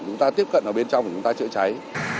chúng ta tiếp cận ở bên trong để chúng ta chữa cháy